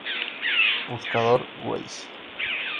Buscador: Weiss.